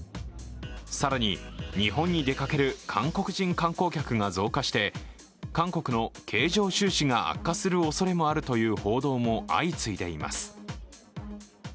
更に、日本に出かける韓国人観光客が増加して韓国の経常収支が悪化するおそれもあるという報道も相次いでいます。